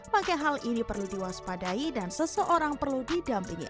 maka hal ini perlu diwaspadai dan seseorang perlu didampingi